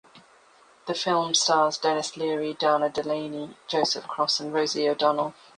The film stars Denis Leary, Dana Delany, Joseph Cross and Rosie O'Donnell.